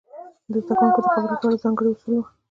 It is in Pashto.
د زده کوونکو د خبرو لپاره ځانګړي اصول وو.